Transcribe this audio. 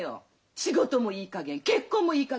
仕事もいいかげん結婚もいいかげん！